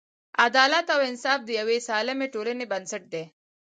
عدالت او انصاف د یوې سالمې ټولنې بنسټ دی.